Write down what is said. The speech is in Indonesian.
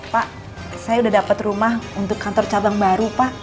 pak saya udah dapat rumah untuk kantor cabang baru pak